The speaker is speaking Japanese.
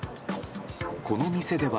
この店では。